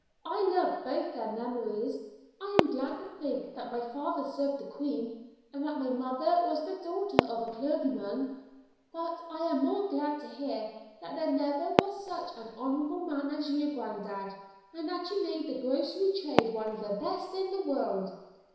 "I love both their memories. I am glad to think that my father served the Queen, and that my mother was the daughter of a clergyman. But I am more glad to think that there never was such an honorable man as you, granddad, and that you made the grocery trade one of the best in the world."